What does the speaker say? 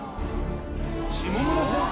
下村先生